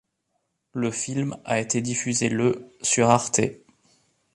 Le film a été diffusé le sur Arte.